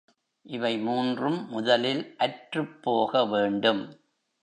இவை மூன்றும் முதலில் அற்றுப் போக வேண்டும்.